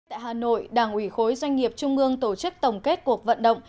tại hà nội đảng ủy khối doanh nghiệp trung ương tổ chức tổng kết cuộc vận động